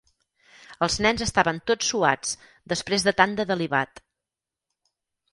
Els nens estaven tots suats, després de tant de delibat.